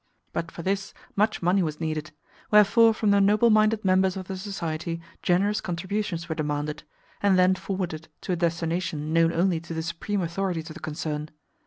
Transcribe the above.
But for this much money was needed: wherefore from the noble minded members of the society generous contributions were demanded, and then forwarded to a destination known only to the supreme authorities of the concern.